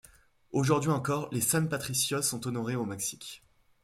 Aujourd'hui encore, les San Patricios sont honorés au Mexique.